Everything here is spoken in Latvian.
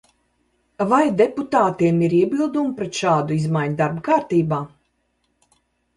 Vai deputātiem ir iebildumi pret šādu izmaiņu darba kārtībā?